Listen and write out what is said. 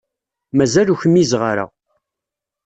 Mazal ur kmizeɣ ara.